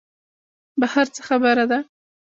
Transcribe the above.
بهر څه خبره ده.